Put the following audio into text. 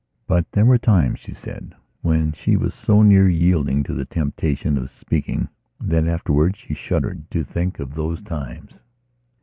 But there were times, she said, when she was so near yielding to the temptation of speaking that afterwards she shuddered to think of those times.